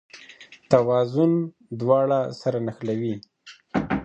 توازن دواړه سره نښلوي.